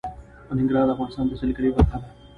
ننګرهار د افغانستان د سیلګرۍ برخه ده.